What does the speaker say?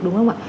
đúng không ạ